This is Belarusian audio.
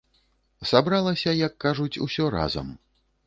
Сабралася, як кажуць, усё разам.